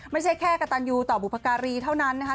ไม่ใช่แค่กระตันยูต่อบุพการีเท่านั้นนะคะ